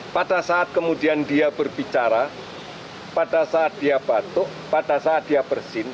pada saat kemudian dia berbicara pada saat dia batuk pada saat dia bersin